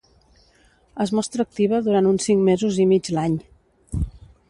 Es mostra activa durant uns cinc mesos i mig l'any.